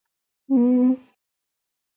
زموږ د دور دونو ، ددرد او سوي سندرې